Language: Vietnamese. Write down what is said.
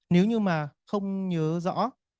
nếu như mà không nhớ rõ